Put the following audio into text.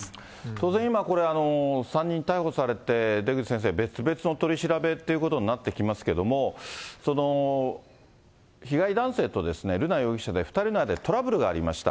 当然今、３人逮捕されて、出口先生、別々の取り調べということになってきますけれども、被害男性と瑠奈容疑者で、２人の間でトラブルがありました。